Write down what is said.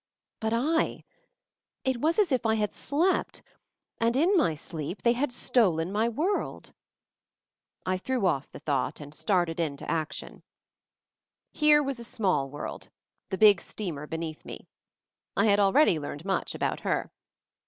But I! It was as if I had slept, and, in my sleep, they had stolen my world. I threw off the thought, and started in to action. Here was a small world — the big steamer beneath me. I had already learned much about her.